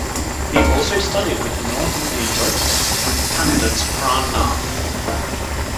He also studied with the North Indian vocalist Pandit Pran Nath.